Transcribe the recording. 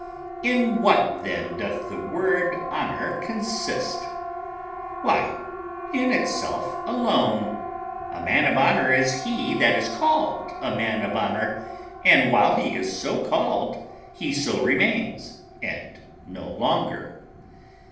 In what then doth the word honour consist? Why, in itself alone. A man of honour is he that is called a man of honour; and while he is so called he so remains, and no longer.